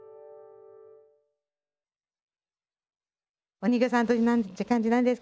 お人形さんって感じなんですけど。